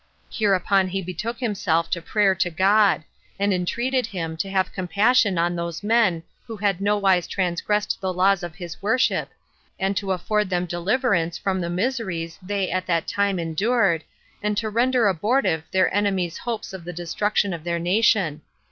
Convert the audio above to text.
Hereupon he betook himself to prayer to God; and entreated him to have compassion on those men who had nowise transgressed the laws of his worship, and to afford them deliverance from the miseries they at that time endured, and to render abortive their enemies' hopes of the destruction of their nation.